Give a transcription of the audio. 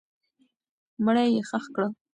مړی یې ښخ کړه.